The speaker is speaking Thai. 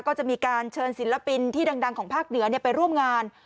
ก็จะมีการเชิญศิลปินที่ดังของภาคเหนือไปร่วมงาน